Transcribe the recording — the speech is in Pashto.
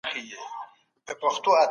ولي کندهار کي د صنعت لپاره پانګه اړینه ده؟